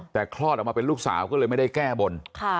แต่คลอดออกมาเป็นลูกสาวก็เลยไม่ได้แก้บน